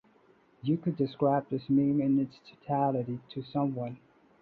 You could describe this meme in its totality to someone.